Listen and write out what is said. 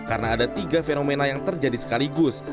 karena ada tiga fenomena yang terjadi sekaligus